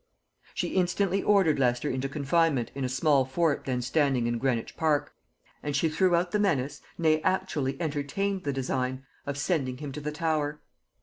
She instantly ordered Leicester into confinement in a small fort then standing in Greenwich park, and she threw out the menace, nay actually entertained the design, of sending him to the Tower.